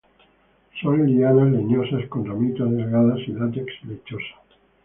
Son lianas leñosas con ramitas delgadas y látex lechoso.